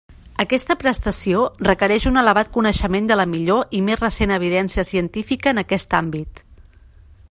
Aquesta prestació requereix un elevat coneixement de la millor i més recent evidència científica en aquest àmbit.